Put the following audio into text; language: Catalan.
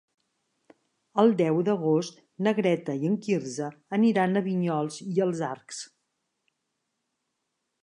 El deu d'agost na Greta i en Quirze aniran a Vinyols i els Arcs.